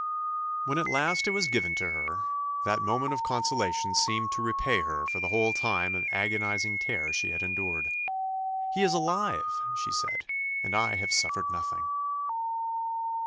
When at last it was given to her, that moment of consolation seemed to repay her for the whole time of agonising terror she had endured. "He is alive!" she said, "and I have suffered nothing."